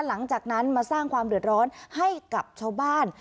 หลังจากนั้นมาสร้างความเดือดร้อนให้กับชาวบ้าน